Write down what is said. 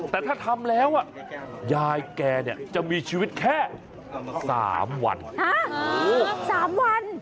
แต่ถ้าทำแล้วยายแกจะมีชีวิตแค่สามวัน